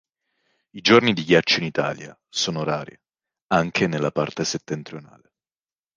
I giorni di ghiaccio in Italia sono rari, anche nella parte settentrionale.